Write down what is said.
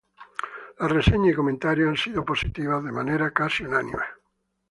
Las reseñas y comentarios han sido positivos de manera casi unánime.